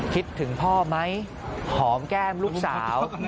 คิดถึงพ่อไหมหอมแก้มลูกสาว